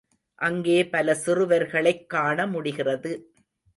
அங்கே பல சிறுவர்களைக் காணமுடிகிறது.